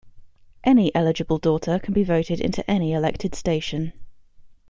Any eligible daughter can be voted into any elected station.